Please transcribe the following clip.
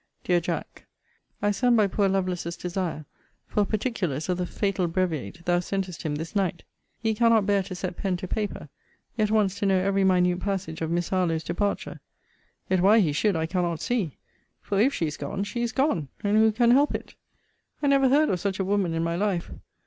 DEAR JACK, I send by poor Lovelace's desire, for particulars of the fatal breviate thou sentest him this night. He cannot bear to set pen to paper; yet wants to know every minute passage of Miss Harlowe's departure. Yet why he should, I cannot see: for if she is gone, she is gone; and who can help it? I never heard of such a woman in my life.